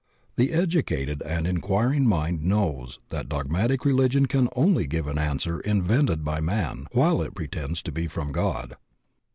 The educated and enquiring mind knows that dogmatic religion can only give an answer invented by man while it pretends to be from God.